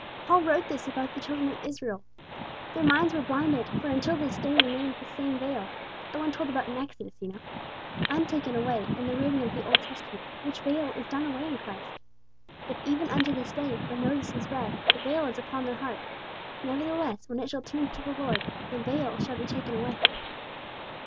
"Paul wrote this about the children of Israel: 'Their minds were blinded: for until this day remaineth the same veil' (the one told about in Exodus, you know) 'untaken away, in the reading of the Old Testament; which veil is done away in Christ. But even unto this day, when Moses is read, the veil is upon their heart. Nevertheless, when it shall turn to the Lord, the veil shall be taken away.'"